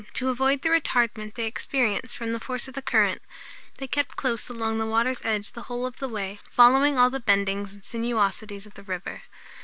To avoid the retardment they experienced from the force of the current, they kept close along the water's edge the whole of the way, following all the bendings and sinuosities of the river.